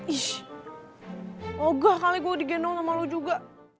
ish mogah kali gua digendong sama lu juga